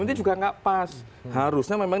nanti juga nggak pas harusnya memang